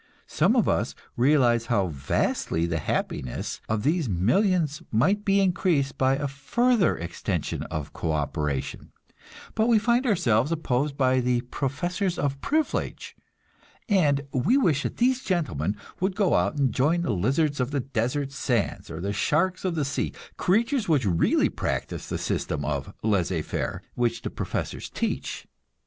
Some of us realize how vastly the happiness of these millions might be increased by a further extension of co operation; but we find ourselves opposed by the professors of privilege and we wish that these gentlemen would go out and join the lizards of the desert sands or the sharks of the sea, creatures which really practice the system of "laissez faire" which the professors teach.